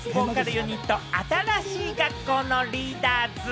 ユニット・新しい学校のリーダーズ。